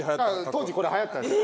当時これはやったんです。